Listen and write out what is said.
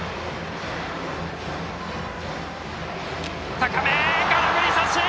高め空振り三振！